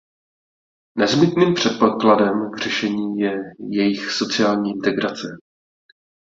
Nezbytným předpokladem k řešení je jejich sociální integrace.